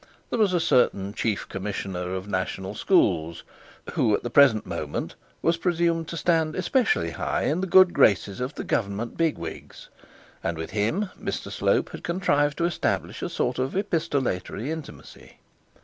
There was a certain chief commissioner of national schools who at the present moment was presumed to stand especially high in the good graces of the government big wigs, and with him Mr Slope had contrived to establish a sort of epistolary intimacy.